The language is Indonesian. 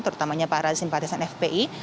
terutamanya para simpatisan fpi